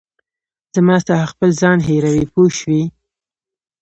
زما څخه خپل ځان هېروې پوه شوې!.